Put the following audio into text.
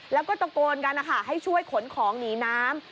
แล้วก็ตะโกนกันนะคะให้ช่วยขนของหนีน้ำ